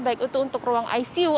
baik itu untuk ruang icu